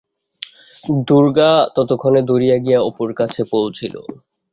দুর্গা ততক্ষণে দৌড়িয়া গিয়া অপুর কাছে পৌঁছিল।